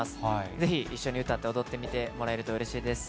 ぜひ、一緒に歌って踊ってみてもらえるとうれしいです。